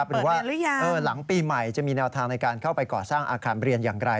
หรือว่าหลังปีใหม่จะมีแนวทางในการเข้าไปก่อสร้างอาคารเรียนอย่างไร